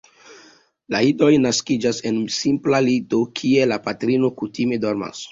La idoj naskiĝas en simpla lito, kie la patrino kutime dormas.